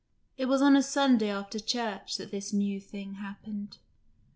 It was on a Sunday after church that this new thing happened.